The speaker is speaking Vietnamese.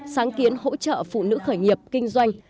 sáng kiến hỗ trợ phụ nữ khởi nghiệp kinh doanh